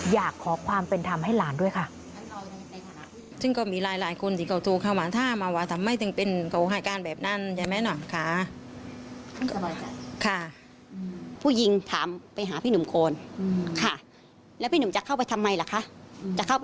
อยากขอความเป็นธรรมให้หลานด้วยค่ะ